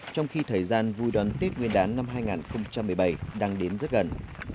trong khi thời gian vui đón tết nguyên đán năm hai nghìn một mươi bảy đang đến rất gần